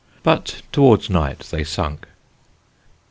But towards night they sunk."